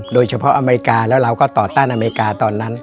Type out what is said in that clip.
อเมริกาแล้วเราก็ต่อต้านอเมริกาตอนนั้น